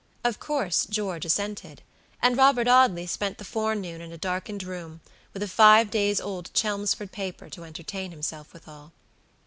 Of course George assented, and Robert Audley spent the forenoon in a darkened room with a five days' old Chelmsford paper to entertain himself withal.